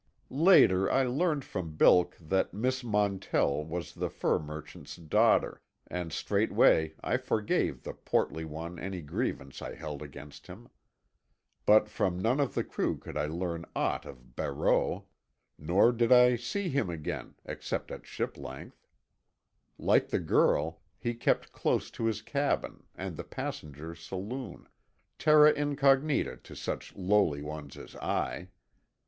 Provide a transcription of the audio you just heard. Later, I learned from Bilk that Miss Montell was the fur merchant's daughter, and straightway I forgave the portly one any grievance I held against him. But from none of the crew could I learn aught of Barreau. Nor did I see him again, except at ship length. Like the girl, he kept close to his cabin and the passengers' saloon—terra incognita to such lowly ones as I.